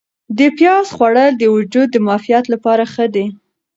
د پیاز خوړل د وجود د معافیت لپاره ښه دي.